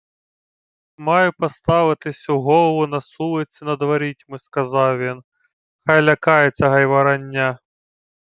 — Маю поставити сю голову на сулиці над ворітьми, — сказав він. — Хай лякається гайвороння.